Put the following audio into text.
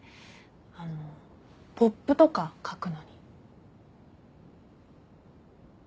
あのポップとかかくのに。